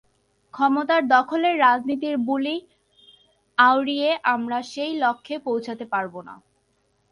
ক্ষমতা দখলের রাজনীতির বুলি আওড়িয়ে আমরা সেই লক্ষ্যে পৌঁছাতে পারব না।